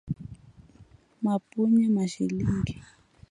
Mapunye Mashilingi